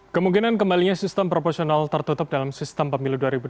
kemungkinan kembalinya sistem proporsional tertutup dalam sistem pemilu dua ribu dua puluh